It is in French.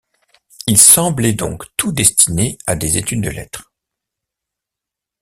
Il semblait donc tout destiné à des études de lettres.